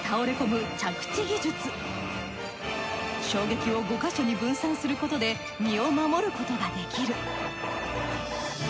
衝撃を５か所に分散することで身を守ることができる。